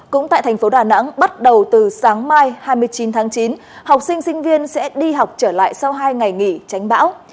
cũng tại thành phố đà nẵng bắt đầu từ sáng mai hai mươi chín tháng chín học sinh sinh viên sẽ đi học trở lại sau hai ngày nghỉ tránh bão